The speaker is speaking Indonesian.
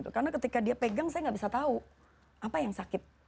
karena ketika dia pegang saya tidak bisa tahu apa yang sakit